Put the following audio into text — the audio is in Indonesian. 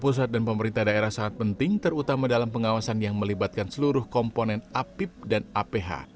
pusat dan pemerintah daerah sangat penting terutama dalam pengawasan yang melibatkan seluruh komponen apip dan aph